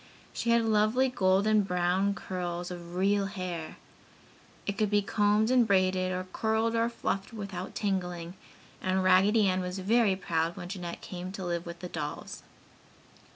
She had lovely golden brown curls of real hair. It could be combed and braided, or curled or fluffed without tangling, and Raggedy Ann was very proud when Jeanette came to live with the dolls.